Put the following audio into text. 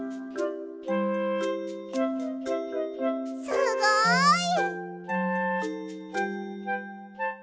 すごい！